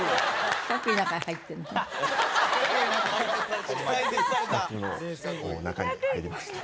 四角の中に入りました。